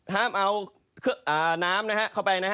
ห้ามเอาน้ำนะฮะเข้าไปนะฮะ